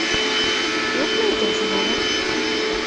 Юҡмы икенсе нәмә?